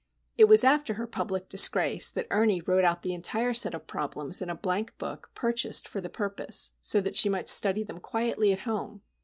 It was after her public disgrace that Ernie wrote out the entire set of problems in a blank book purchased for the purpose, so that she might study them quietly at home.